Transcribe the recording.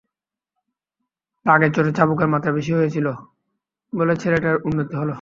রাগের চোটে চাবুকের মাত্রা বেশি হয়েছিল বলে ছেলেটার উন্নতি হল।